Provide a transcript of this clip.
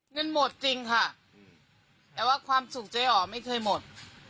เงินหมดจริงค่ะแต่ว่าความสุขเจ๊อ๋อไม่เคยหมด